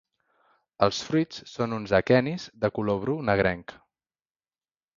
Els fruits són uns aquenis de color bru negrenc.